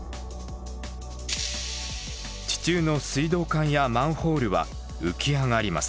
地中の水道管やマンホールは浮き上がります。